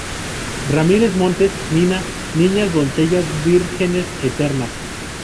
Ramírez Montes, Mina, Niñas, doncellas, vírgenes eternas.